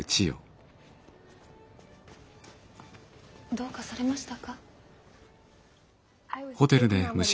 どうかされましたか？